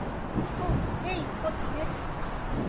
Oh, hey, coach bake.